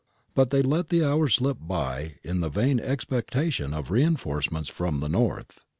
But they let the hours slip by in the vain expectation of reinforcements from the north.